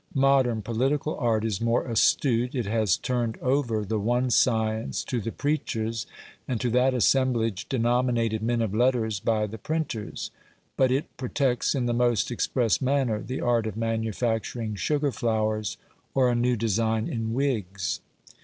Modern political art is more astute, it has turned over the one science to the preachers, and to that assemblage denominated men of letters by the printers ; but it protects in the most express manner the art of manufacturing sugar flowers, or a new design in wigs.